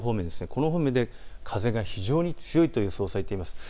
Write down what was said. この方面で風が非常に強いと予想されています。